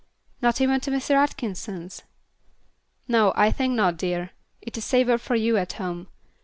"Not even to Mr. Atkinson's?" "No, I think not, dear. It is safer for you at home.